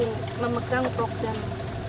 bisa jadi sebenarnya aku juga tidak ada apa apa